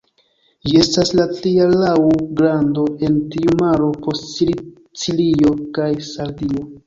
Ĝi estas la tria laŭ grando en tiu maro post Sicilio kaj Sardio.